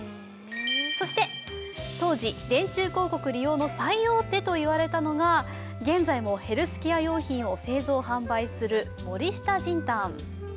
そして、当時、電柱広告の利用の最大手と言われたのは現在もヘルスケア用品を製造・販売する森下仁丹。